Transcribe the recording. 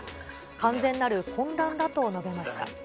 完全なる混乱だと述べました。